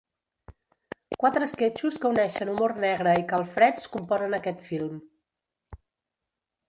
Quatre esquetxos que uneixen humor negre i calfreds componen aquest film.